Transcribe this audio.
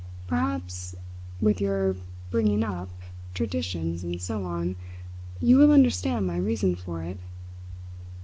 "Perhaps, with your bringing up, traditions, and so on; you will understand my reason for it."